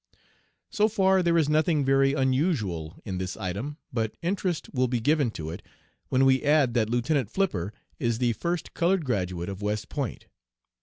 So far there is nothing very unusual in this item, but interest will be given to it when we add that Lieutenant Flipper is the first colored graduate of West Point.